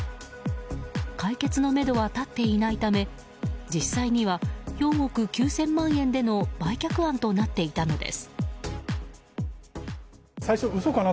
解決のめどは立っていないため実際には４億９０００万円での売却案となっていたのです。